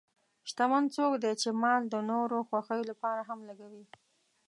شتمن څوک دی چې مال د نورو خوښۍ لپاره هم لګوي.